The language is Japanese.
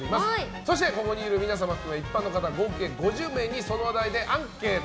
そしてここにいる皆様含め一般の方合計５０名にその話題でアンケート。